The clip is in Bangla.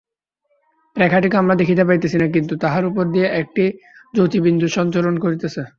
রেখাটিকে আমরা দেখিতে পাইতেছি না, কিন্তু তাহার উপর দিয়া একটি জ্যোতির্বিন্দু সঞ্চরণ করিতেছে।